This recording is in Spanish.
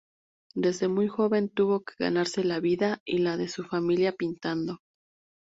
Desde muy joven tuvo que ganarse la vida y la de su familia pintando.